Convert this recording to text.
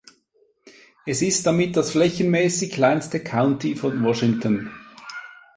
Es ist damit das flächenmäßig kleinste County von Washington.